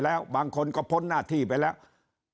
คราวนี้เจ้าหน้าที่ป่าไม้รับรองแนวเนี่ยจะต้องเป็นหนังสือจากอธิบดี